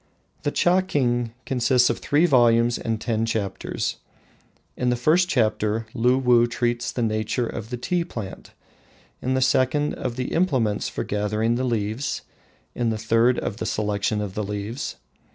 The "Chaking" consists of three volumes and ten chapters. In the first chapter Luwuh treats of the nature of the tea plant, in the second of the implements for gathering the leaves, in the third of the selection of the leaves.